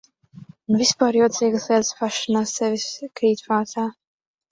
Un vispār jocīgas lietas pašas no sevis krīt prātā.